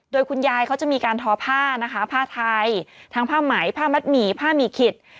โดยคุณยายเขาจะมีการทอผ้านะคะผ้าไทยทั้งผ้าไหมผ้ามัดหมี่ผ้าหมี่ขิด